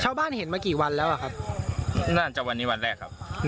เช่าบ้านเห็นมากี่วันแล้วครับน่าจะวันนี้วันแรกครับ